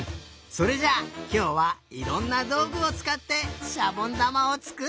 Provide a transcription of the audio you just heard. それじゃあきょうはいろんなどうぐをつかってしゃぼんだまをつくってみよう！